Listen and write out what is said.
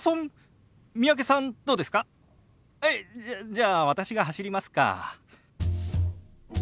じゃあ私が走りますか。